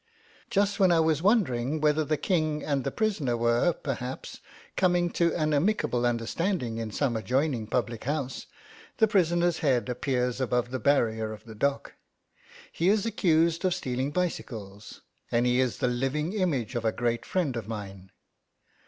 ..... Just when I was wondering whether the King and the prisoner were, perhaps, coming to an amicable understanding in some adjoining public house, the prisoner's head appears above the barrier of the dock; he is accused of stealing bicycles, and he is the living image of a great friend of mine.